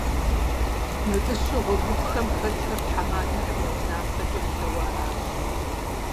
Мыбы щыгъуэ гупхэм хэтхэр тхьэмадэхэм я унафэкӀэ лъэуэ аращ.